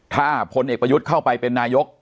ถ้าพลเอกประยุทธ์เข้าไปเป็นนายก